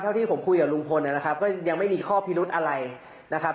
ที่ผมคุยกับลุงพลนะครับก็ยังไม่มีข้อพิรุธอะไรนะครับ